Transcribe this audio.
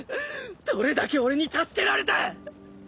どれだけ俺に助けられた！？